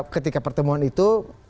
ketika pertemuan itu